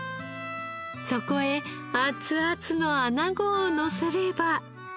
そこへ熱々のアナゴをのせれば。